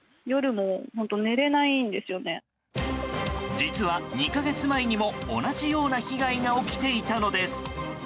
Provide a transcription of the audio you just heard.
実は、２か月前にも同じような被害が起きていたのです。